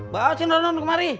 bawa si rondon kemari